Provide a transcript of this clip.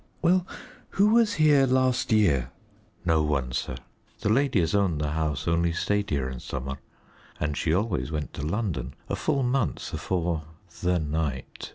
"Well, who was here last year?" "No one, sir; the lady as owned the house only stayed here in summer, and she always went to London a full month afore the night.